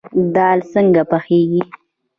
دال څنګه پخیږي؟